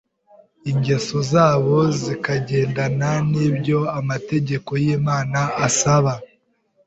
ingeso zabo zikagendana n’ibyo amategeko y’Imana asaba